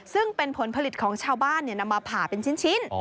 ซึ่งเป็นผลผลิตของชาวบ้านนำมาผ่าเป็นชิ้น